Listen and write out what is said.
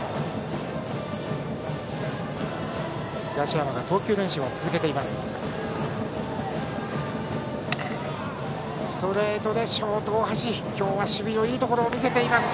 東山が投球練習を続けています。